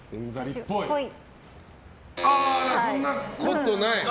そんなことない？